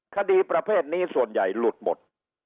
คดีประเภทนี้ส่วนใหญ่หลุดหมด